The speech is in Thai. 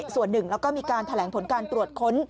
ส่วนหนึ่งแล้วก็มีการแถลงผลการตรวจค้น